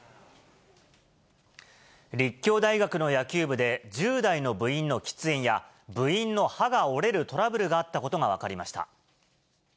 立教大学の野球部で、１０代の部員の喫煙や、部員の歯が折れるトラブルがあったことが分かりました。